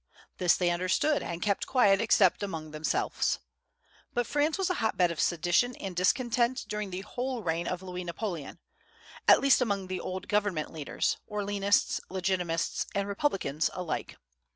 This they understood, and kept quiet except among themselves. But France was a hotbed of sedition and discontent during the whole reign of Louis Napoleon, at least among the old government leaders, Orléanists, Legitimists, and Republicans alike.